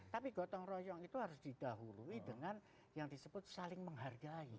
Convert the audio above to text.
tapi gotong royong itu harus didahului dengan yang disebut saling menghargai